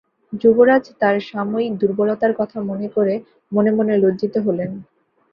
যুবরাজ তার সাময়িক দুর্বলতার কথা মনে করে মনে মনে লজ্জিত হলেন।